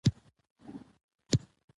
ایا بل کومه بېلګه شته؟